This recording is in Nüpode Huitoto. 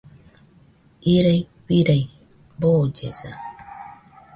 Irai firai, boollesa